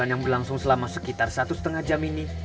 yang berlangsung selama sekitar satu lima jam ini